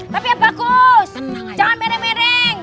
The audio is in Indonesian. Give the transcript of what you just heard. tapi yang bagus jangan mering mering